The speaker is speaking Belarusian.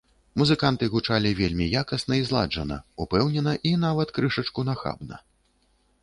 Музыканты гучалі вельмі якасна і зладжана, упэўнена і нават крышачку нахабна.